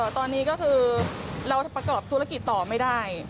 ตอนนี้ก็คือเราประกอบธุรกิจต่อไม่ได้